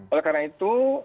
oleh karena itu